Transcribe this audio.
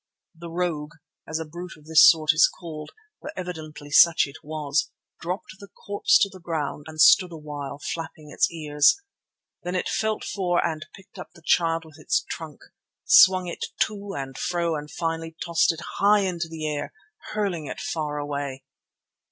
The rogue, as a brute of this sort is called, for evidently such it was, dropped the corpse to the ground and stood a while, flapping its ears. Then it felt for and picked up the child with its trunk, swung it to and fro and finally tossed it high into the air, hurling it far away.